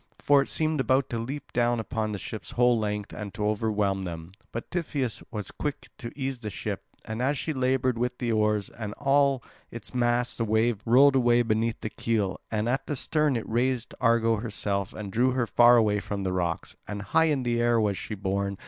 For it seemed about to leap down upon the ship's whole length and to overwhelm them. But Tiphys was quick to ease the ship as she laboured with the oars; and in all its mass the wave rolled away beneath the keel, and at the stern it raised Argo herself and drew her far away from the rocks; and high in air was she borne.